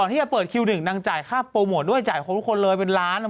แต่จ่ายครบหมายครบ